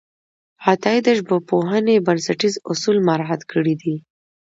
عطایي د ژبپوهنې بنسټیز اصول مراعت کړي دي.